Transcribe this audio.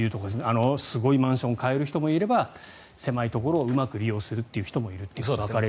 すごいマンションを買える人もいれば狭いところをうまく利用するという人もいると分かれると。